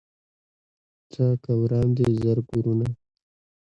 څه که وران دي زر کورونه